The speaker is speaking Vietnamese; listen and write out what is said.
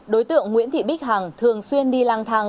đối tượng nguyễn thị bích hằng thường xuyên đi lang thang